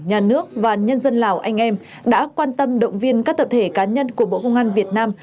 nhà nước và nhân dân lào anh em đã quan tâm động viên các tập thể cá nhân của bộ công an việt nam